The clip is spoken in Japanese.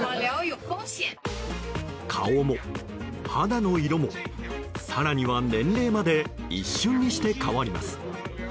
顔も、肌の色も、更には年齢まで一瞬にして変わります。